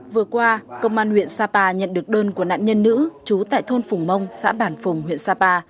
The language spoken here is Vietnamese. vừa qua công an huyện sapa nhận được đơn của nạn nhân nữ trú tại thôn phùng mông xã bản phùng huyện sapa